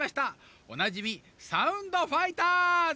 おなじみ「サウンドファイターズ」！